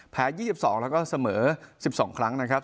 แพ้ยี่สิบสองแล้วก็เสมอสิบสองครั้งนะครับ